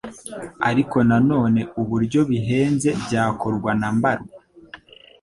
ariko nanone uburyo bihenze byakorwa na mbarwa.